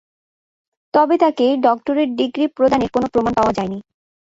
তবে তাকে doctorate degree প্রদানের কোন প্রমাণ পাওয়া যায়নি।